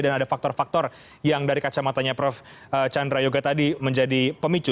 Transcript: dan ada faktor faktor yang dari kacamatanya prof chandra yoga tadi menjadi pemicu